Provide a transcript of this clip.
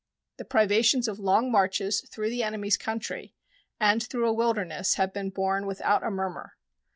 The privations of long marches through the enemy's country and through a wilderness have been borne without a murmur.